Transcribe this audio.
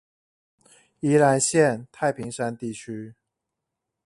宜蘭縣太平山地區